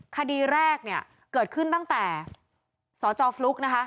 คดีแรกเนี่ยเกิดขึ้นตั้งแต่สจฟลุ๊กนะคะ